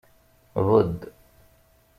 Budd.